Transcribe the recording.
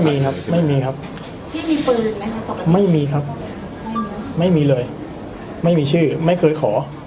ไม่มีครับไม่มีครับพี่มีปืนไหมครับไม่มีครับไม่มีเลยไม่มีชื่อไม่เคยขอ